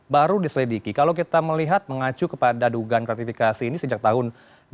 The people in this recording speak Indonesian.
baru diselidiki kalau kita melihat mengacu kepada dugaan gratifikasi ini sejak tahun dua ribu